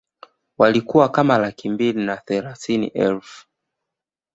Walikuwa kama laki mbili na thelathini elfu